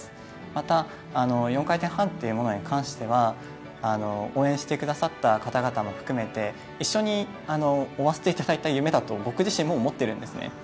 また、４回転半というものに関しては、応援してくださった方々も含めて一緒に追わせていただいた夢だと僕自身も思っているんですね。